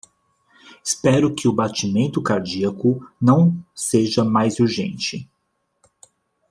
Espero que o batimento cardíaco não seja mais urgente.